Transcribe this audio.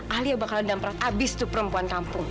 alia bakalan damprat abis tuh perempuan kampung